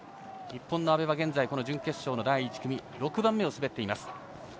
日本の阿部は現在、準決勝第１組６番目を滑っています。